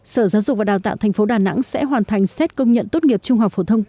sở giáo dục và đào tạo tp đà nẵng sẽ hoàn thành xét công nhận tốt nghiệp trung học phổ thông